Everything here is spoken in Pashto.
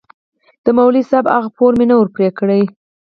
د مولوي صاحب هغه پور مې نه و پرې کړى.